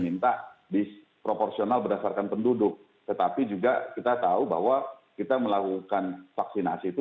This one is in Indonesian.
minta disproporsional berdasarkan penduduk tetapi juga kita tahu bahwa kita melakukan vaksinasi itu